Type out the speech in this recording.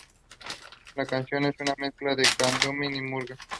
La canción es una mezcla de candombe y murga.